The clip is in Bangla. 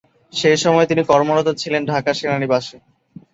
সে সময়ে তিনি কর্মরত ছিলেন ঢাকা সেনানিবাসে।